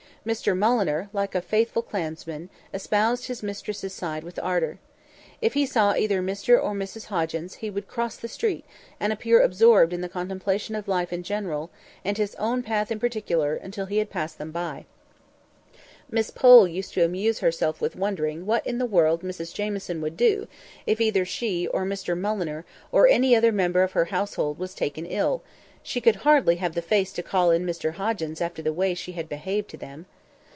Mr Mulliner, like a faithful clansman, espoused his mistress' side with ardour. If he saw either Mr or Mrs Hoggins, he would cross the street, and appear absorbed in the contemplation of life in general, and his own path in particular, until he had passed them by. Miss Pole used to amuse herself with wondering what in the world Mrs Jamieson would do, if either she, or Mr Mulliner, or any other member of her household was taken ill; she could hardly have the face to call in Mr Hoggins after the way she had behaved to them.